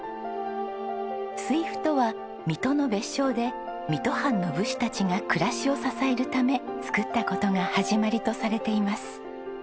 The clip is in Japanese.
水府とは水戸の別称で水戸藩の武士たちが暮らしを支えるため作った事が始まりとされています。